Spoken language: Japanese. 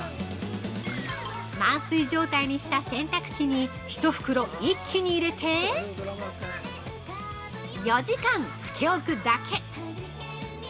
満水状態にした洗濯機に１袋一気に入れて４時間つけ置くだけ。